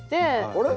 あれ？